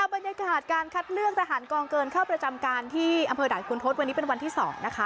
บรรยากาศการคัดเลือกทหารกองเกินเข้าประจำการที่อำเภอด่านคุณทศวันนี้เป็นวันที่๒นะคะ